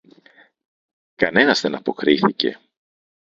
Κανένας δεν αποκρίθηκε